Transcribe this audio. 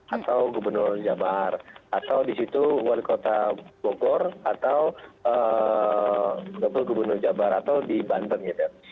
atau gubernur jabar atau di situ wali kota bogor atau gubernur jabar atau di banten gitu